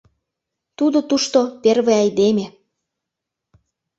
Тудо тушто первый айдеме.